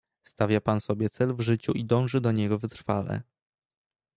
"Stawia pan sobie cel w życiu i dąży do niego wytrwale."